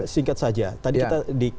singkat saja tadi kita di